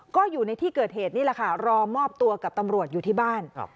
ก็อยู่ในที่เกิดเหตุนี่แหละค่ะรอมอบตัวกับตำรวจอยู่ที่บ้าน